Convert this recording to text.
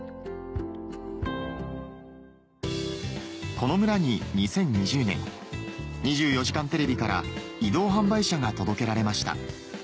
この村に２０２０年『２４時間テレビ』から移動販売車が届けられました